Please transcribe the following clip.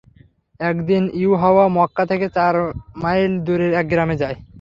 একদিন ইউহাওয়া মক্কা থেকে চার মাইল দূরের এক গ্রামে যায়।